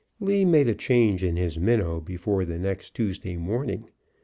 Lee made a change in his minnow before the next Tuesday morning.